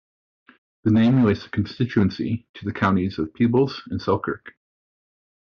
The name relates the constituency to the counties of Peebles and Selkirk.